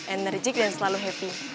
enerjik dan selalu happy